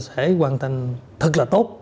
chúng tôi sẽ hoàn thành thật là tốt